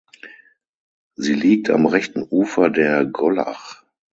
Sie liegt am rechten Ufer der Gollach.